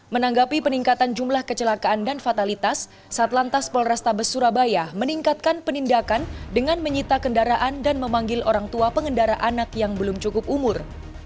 menanggapi peningkatan jumlah kecelakaan dan fatalitas satlantas polrestabes surabaya meningkatkan penindakan dengan menyita kendaraan dan memanggil orang tua pengendara anak yang belum cukup umur